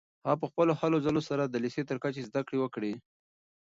هغه په خپلو هلو ځلو سره د لیسې تر کچې زده کړې وکړې.